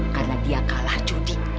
karena dia kalah judi